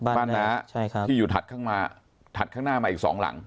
บ้านน้าที่อยู่ถัดมาถัดข้างหน้ามาอีก๒หลัง